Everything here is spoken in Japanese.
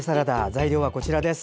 材料はこちらです。